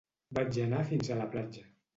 Vaig anar fins a la platja